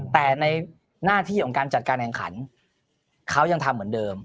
แต่ในหน้าที่ของการจัดการแข่งขันเขายังทำเหมือนเดิม